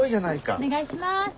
お願いします。